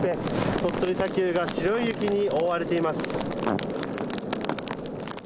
鳥取砂丘が白い雪に覆われています。